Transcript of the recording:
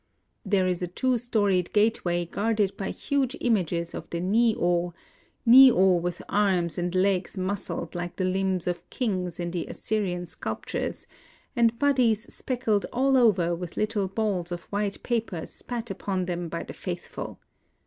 There is a two storied gateway guarded by huge images of the Ni 0, — Ni 0 with arms and legs muscled like the limbs of kings in the Assyrian sculptures, and bodies speckled all over with little balls of white paper spat upon them by the faithful.